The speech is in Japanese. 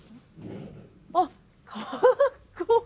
あっかっこいい。